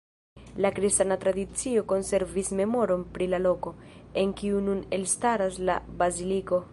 La kristana tradicio konservis memoron pri la loko, en kiu nun elstaras la Baziliko.